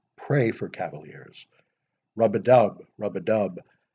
Pray for cavaliers! Rub a dub—rub a dub!